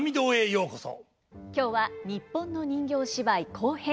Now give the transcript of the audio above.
今日は日本の人形芝居後編